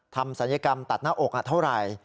ศัลยกรรมตัดหน้าอกเท่าไหร่